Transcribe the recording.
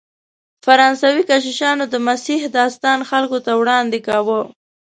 فرانسوي کشیشانو د مسیح داستان خلکو ته وړاندې کاوه.